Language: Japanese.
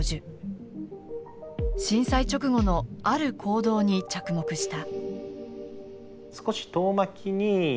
震災直後のある行動に着目した。